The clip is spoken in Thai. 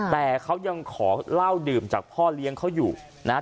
แต่เขายังขอเหล้าดื่มจากพ่อเลี้ยงเขาอยู่นะฮะ